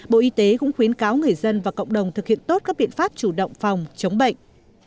bộ y tế cũng khuyến cáo người dân và cộng đồng thực hiện tốt các biện pháp chủ động phòng chống bệnh